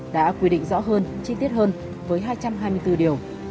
đã quy định rõ hơn chi tiết hơn với hai trăm hai mươi bốn điều